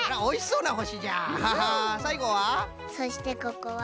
そしてここは。